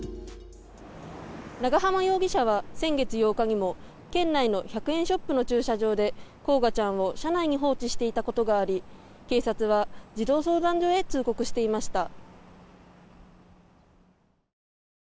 長澤容疑者は先月８日にも県内の１００円ショップの駐車場で煌翔ちゃんを車内に放置していたことがあり警察は児童相談所へ通告していました。